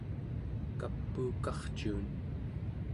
kapuukarcuun